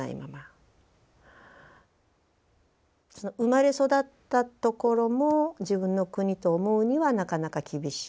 生まれ育ったところも自分の国と思うにはなかなか厳しい。